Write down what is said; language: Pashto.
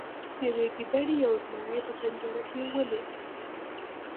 یوې ګیدړې یو زمری په پنجره کې ولید.